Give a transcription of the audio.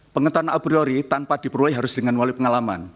pengetahuan abriori tanpa diperoleh harus dengan wali pengalaman